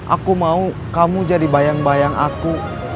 aku mau kamu jadi bayang bayang aku